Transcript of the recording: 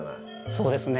そうですね。